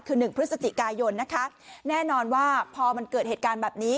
คือหนึ่งพฤศจิกายนนะคะแน่นอนว่าพอมันเกิดเหตุการณ์แบบนี้